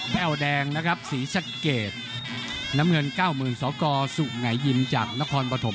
แก้วแดงนะครับศรีสะเกดน้ำเงิน๙๐๐สกสุไงยิมจากนครปฐม